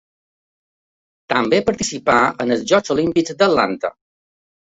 També participà en els Jocs Olímpics d'Atlanta.